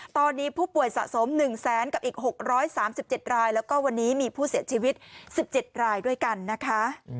ตอนนี้ผู้ป่วยสะสม๑แสนกับอีก๖๓๗รายแล้วก็วันนี้มีผู้เสียชีวิต๑๗รายด้วยกันนะคะ